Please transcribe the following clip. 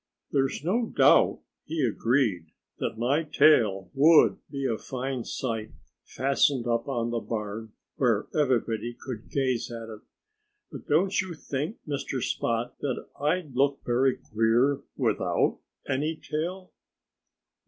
"There's no doubt," he agreed, "that my tail would be a fine sight, fastened up on the barn where everybody could gaze at it. But don't you think, Mr. Spot, that I'd look very queer without any tail?"